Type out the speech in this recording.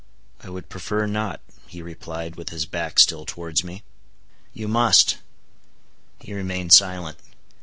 "I would prefer not," he replied, with his back still towards me. "You must." He remained silent.